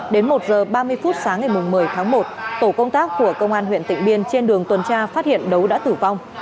đến một h ba mươi phút sáng ngày một mươi tháng một tổ công tác của công an huyện tịnh biên trên đường tuần tra phát hiện đấu đã tử vong